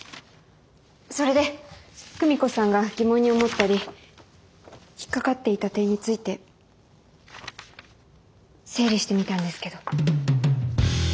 それで久美子さんが疑問に思ったり引っ掛かっていた点について整理してみたんですけど。